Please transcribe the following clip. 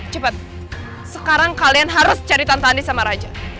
cepat sekarang kalian harus cari tante andi sama raja